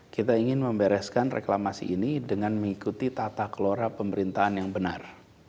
kita ingin membereskan reklamasi ini dengan mengikuti tata kelora pemerintahan yang benar